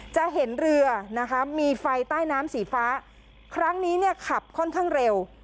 จะเห็นเรือนะคะมีไฟใต้น้ำสีฟ้าครั้งนี้เนี่ยขับค่อนข้างเร็ว